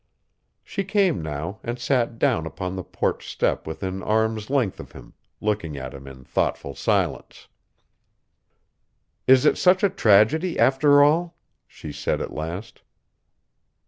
She came now and sat down upon the porch step within arm's length of him, looking at him in thoughtful silence. "Is it such a tragedy, after all?" she said at last.